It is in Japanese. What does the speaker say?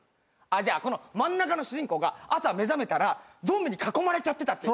じゃあ真ん中の主人公が朝目覚めたらゾンビに囲まれちゃってたって。